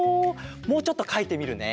もうちょっとかいてみるね。